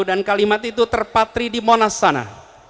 dan kalimat itu terpatri di monas sana